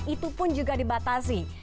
itu pun juga dibatasi